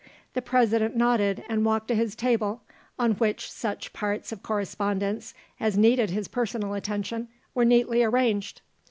The President nodded and walked to his table on which such parts of correspondence as needed his personal attention were neatly arranged.